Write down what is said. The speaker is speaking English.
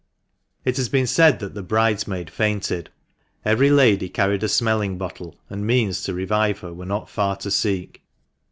It has been said that the bridesmaid fainted. Every lady carried a smelling bottle, and means to revive her were not far to seek.